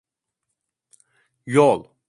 Yol.